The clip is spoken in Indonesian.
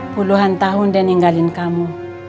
puluhan tahun dia ninggalin kamu